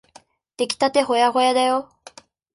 できたてほやほやだよ。